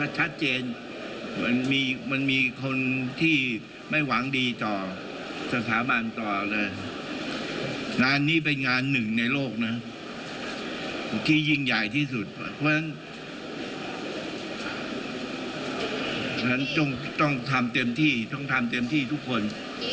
จึงต้องทำเต็มที่ทุกคน